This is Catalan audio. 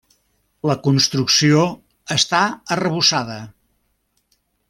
La construcció està arrebossada.